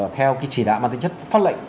theo cái chỉ đạo mang tính chất phát lệnh